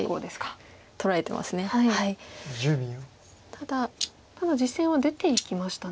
ただ実戦は出ていきました。